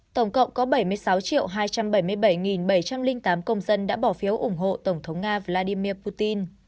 tổng cộng có bảy mươi sáu hai trăm bảy mươi bảy bảy trăm linh tám công dân đã bỏ phiếu ủng hộ tổng thống nga vladimir putin